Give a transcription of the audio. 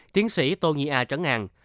tiến sĩ tô nhi a trấn hàng